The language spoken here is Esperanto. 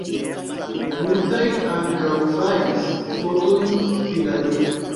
Multaj ankaŭ faris fotojn pri la du.